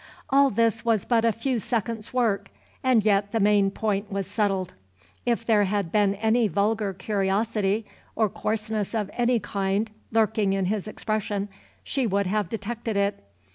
All this was but a few seconds' work, and yet the main point was settled. If there had been any vulgar curiosity or coarseness of any kind lurking in his expression, she would have detected it.